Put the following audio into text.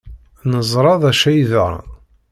Neẓra d acu ay yeḍran.